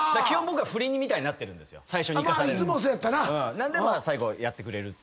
なんでまあ最後やってくれるっていうね。